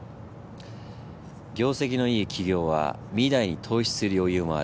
業績のいい企業は未来に投資する余裕もある。